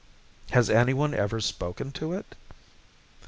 "Has anyone ever spoken to it?"